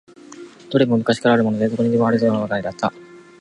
どれも昔からあるもので、どこにでもありそうなものばかりだった。